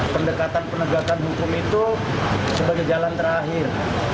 pendekatan penegakan hukum itu sebagai jalan terakhir